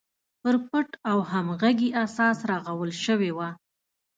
پر پټ او همغږي اساس رغول شوې وه.